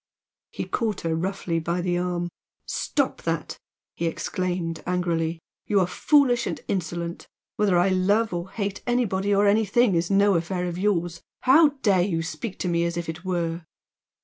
He caught her roughly by the arm. "Stop that!" he exclaimed, angrily "You are foolish and insolent! Whether I love or hate anybody or anything is no affair of yours! How dare you speak to me as if it were!"